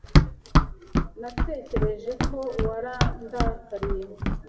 Natekereje ko warandakariye.